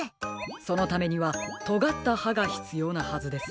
そのためにはとがったはがひつようなはずです。